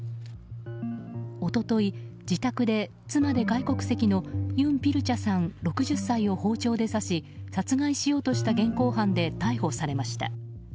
一昨日、自宅で妻で外国籍のユン・ピルチャさん６０歳を包丁で刺し殺害しようとした現行犯で逮捕されました。